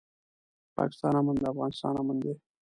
د پاکستان امن د افغانستان امن دی.